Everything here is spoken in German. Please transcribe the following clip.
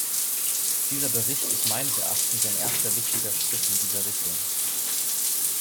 Dieser Bericht ist meines Erachtens ein erster wichtiger Schritt in dieser Richtung.